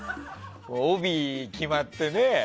帯決まってね。